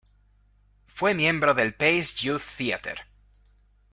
Fue miembro del "Pace Youth Theatre".